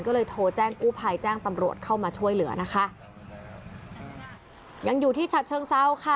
ก็เลยโทรแจ้งกู้ภัยแจ้งตำรวจเข้ามาช่วยเหลือนะคะยังอยู่ที่ฉัดเชิงเศร้าค่ะ